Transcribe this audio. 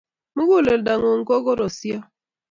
Muguleldo ng'uung ko korosiot